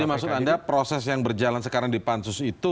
jadi maksud anda proses yang berjalan sekarang di pansus itu